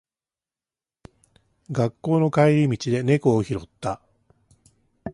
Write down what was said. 学校の帰り道で猫を拾った。